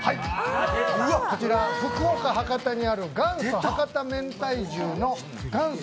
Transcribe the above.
こちら福岡・博多にある元祖博多めんたい重の元祖